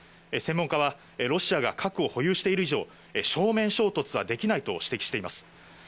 専門家は、ロシアが核を保有している以上、正面衝突はできないと指摘しています。